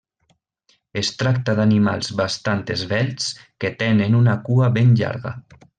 Es tracta d'animals bastant esvelts que tenen una cua ben llarga.